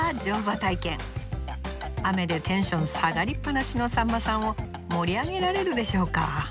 雨でテンション下がりっぱなしのさんまさんを盛り上げられるでしょうか？